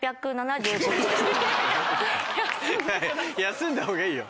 休んだ方がいいよ。